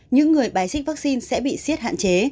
những người bái xích vaccine sẽ bị siết hạn chế